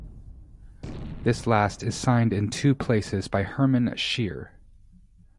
This last is signed in two places by Herman Scheere.